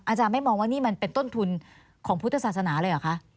อาจารย์ไม่มองว่านี่มันเป็นต้นทุนของพุทธศาสนาเลยเหรอคะ